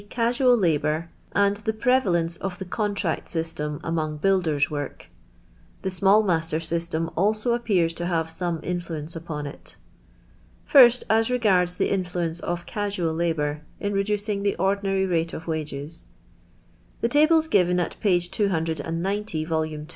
casual labour and the prevalence of the contract sys'.em among builder's work. The small mastor system also appears to have some influence upon it. First as regards the influence of casual labour in reducing the ordinary rate of wages. The tables given at p. 290, vol. ii.